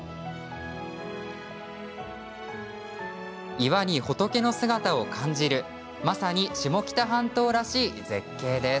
岩に仏の姿を感じるまさに下北半島らしい絶景です。